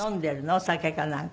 お酒かなんか。